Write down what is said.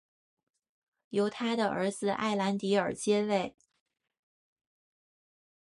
由他的儿子埃兰迪尔接位。